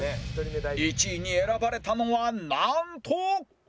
１位に選ばれたのはなんと